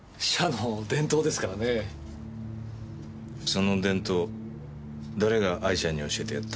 その伝統誰が愛ちゃんに教えてやった？